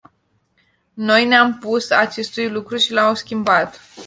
Noi ne-am opus acestui lucru și l-am schimbat.